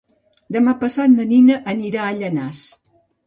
Demà passat na Nina anirà a Llanars.